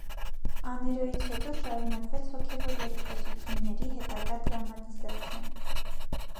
Աներոյից հետո շարունակվեց հոգևոր երկխոսությունների հետագա դրամատիզացիան։